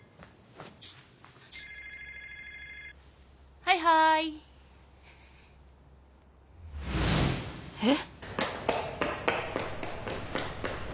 はいはーい。えっ？